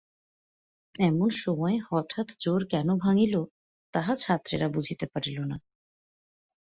এমন সময়ে হঠাৎ জোড় কেন যে ভাঙিল, তাহা ছাত্রেরা বুঝিতে পারিল না।